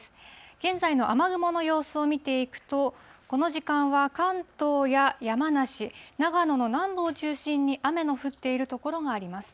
現在の雨雲の様子を見ていくと、この時間は関東や山梨、長野の南部を中心に雨の降っている所があります。